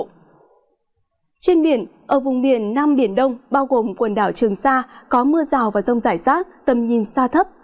trên biển ở vùng biển nam biển đông bao gồm quần đảo trường sa có mưa rào và rông rải rác tầm nhìn xa thấp